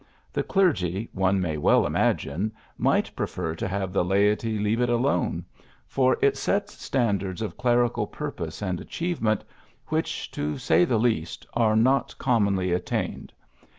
The clergy, one may well imagine, might prefer to have the laity leave it alone ; for it sets standards of clerical pur pose and achievement which, to say the least, are not commonly attained.